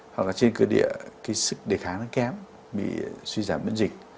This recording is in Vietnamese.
hoặc là trên cơ địa cái sức đề kháng nó kém bị suy giảm biến dịch